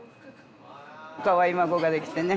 かわいい孫ができてね。